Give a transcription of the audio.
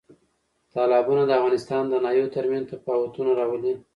تالابونه د افغانستان د ناحیو ترمنځ تفاوتونه راولي.